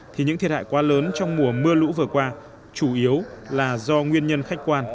thì những thiệt hại quá lớn trong mùa mưa lũ vừa qua chủ yếu là do nguyên nhân khách quan